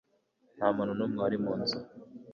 Nta muntu n'umwe wari mu nzu.